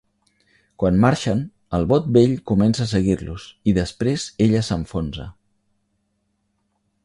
Quan marxen, el bot vell comença a seguir-los i després ella s'enfonsa.